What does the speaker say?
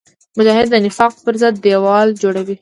مجاهد د نفاق پر ضد دیوال جوړوي.